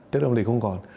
tết đông này không còn